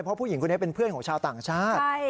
เพราะผู้หญิงคนนี้เป็นเพื่อนของชาวต่างชาติ